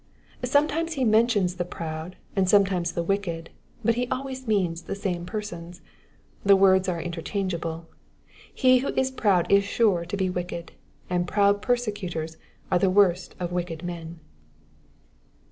Sometimes he mentions the proud, and sometimes the wicked, but he always means the same persons ; the words are interchangeable : he who is proud is sure to be wicked, and proud persecutors are the worst of wicked men.